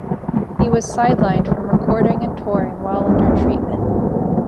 He was sidelined from recording and touring while under treatment.